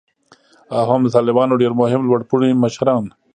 او هم د طالبانو ډیر مهم لوړ پوړي مشران